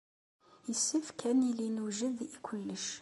Yessefk ad nili newjed i kullec.